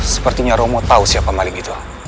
sepertinya romo tahu siapa malik itu